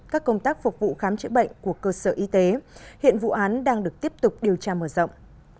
các công tác phục vụ khám chữa bệnh của cơ sở y tế hiện vụ án đang được tiếp tục điều tra mở rộng